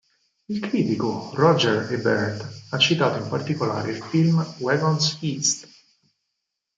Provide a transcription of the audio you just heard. Il critico Roger Ebert ha citato in particolare il film "Wagons East!